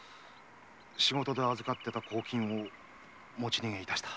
仕事で預かってた公金を持ち逃げいたした。